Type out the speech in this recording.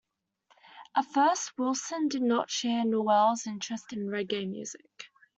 At first, Wilson did not share Nowell's interest in reggae music.